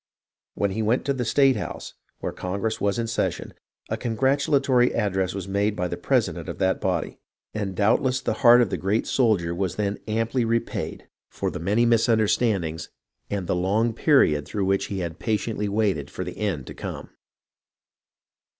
When he went to the State House, where Congress was in session, a congratulatory address was made by the president of that body, and doubtless the heart of the great soldier was then amply repaid for the 386 HISTORY OF THE AMERICAN REVOLUTION many misunderstandings and the long period through which he had patiently waited for the end to come.